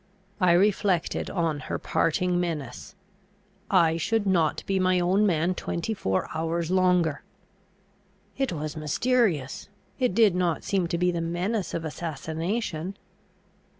I reflected on her parting menace, "I should not be my own man twenty four hours longer." It was mysterious! it did not seem to be the menace of assassination.